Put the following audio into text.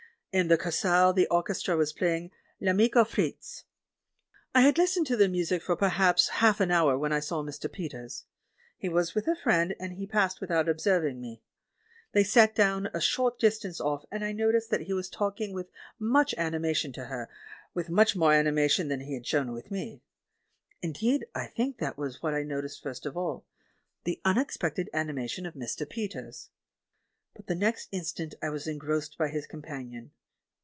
In the Kursaal the orchestra was playing "L'Amico Fritz." I had listened to the music for perhaps half an hour when I saw ]Mr. Peters. He was with a friend, and he passed without ob serving me. They sat down a short distance off and I noticed that he was talking with much an imation to her, with much more animation than he had shown with me. Indeed, I think that was what I noticed first of all — the unexpected ani mation of Mr. Peters. But the next instant I was engrossed by his companion.